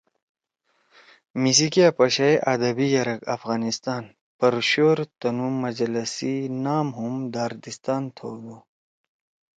میِسی کیا پشائی آدبی یرک افغانستان(پرشور) تنُو مجّلہ سی نام ہُم داردستان تھؤدُو۔